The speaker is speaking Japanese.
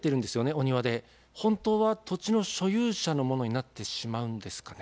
本当は土地の所有者のものになってしまうんですかね？